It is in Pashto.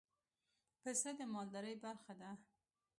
پسه د مالدارۍ برخه ده.